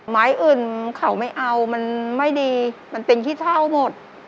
ไม้อื่นเขาไม่เอามันไม่ดีมันเป็นขี้เท่าหมด